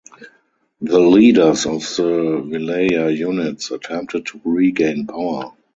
The leaders of the Wilaya units attempted to regain power.